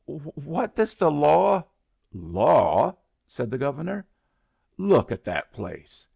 "What does the law " "Law?" said the Governor. "Look at that place!"